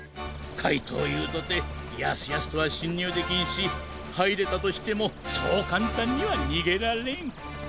かいとうＵとてやすやすとはしんにゅうできんしはいれたとしてもそうかんたんにはにげられん。